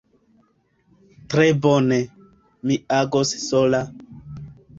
Tre bone: mi agos sola.